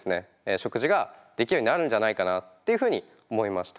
食事ができるようになるんじゃないかなっていうふうに思いました。